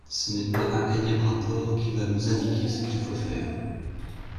Ce n’est pas un énième rapport qui va nous indiquer ce qu’il faut faire.